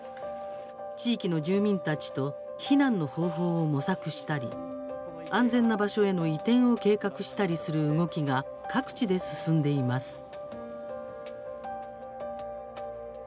地域の住民たちと避難の方法を模索したり安全な場所への移転を計画したりする動きが各地で進んでいます。